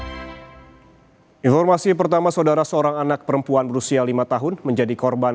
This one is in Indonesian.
hai informasi pertama saudara seorang anak perempuan berusia lima tahun menjadi korban